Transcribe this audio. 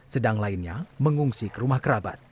sedang lainnya mengungsi ke rumah kerabat